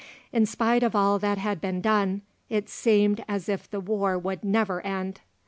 In spite of all that had been done, it seemed as if the war would never end.